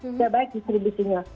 sudah baik distribusinya